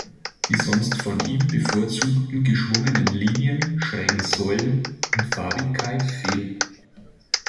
Die sonst von ihm bevorzugten geschwungenen Linien, schrägen Säulen und Farbigkeit fehlen.